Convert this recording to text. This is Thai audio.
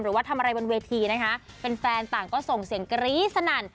หรือว่าทำอะไรบนเวทีนะคะเป็นแฟนถ่างก็ส่งเสียงกะรี้สนั่น